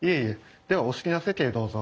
ではお好きな席へどうぞ。